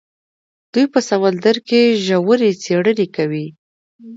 دوی په سمندر کې ژورې څیړنې کوي.